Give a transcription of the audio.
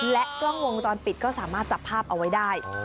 และกล้องวงจรปิดก็สามารถจับภาพเอาไว้ได้